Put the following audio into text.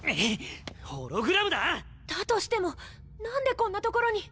ホログラムだぁ⁉だとしても何でこんな所に。